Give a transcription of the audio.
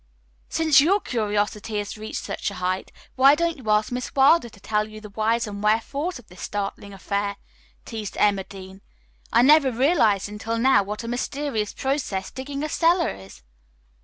"Since your curiosity has reached such a height, why don't you ask Miss Wilder to tell you the whys and wherefores of this startling affair?" teased Emma Dean. "I never realized until now what a mysterious process digging a cellar is."